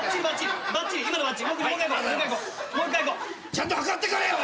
ちゃんと測ってくれよ！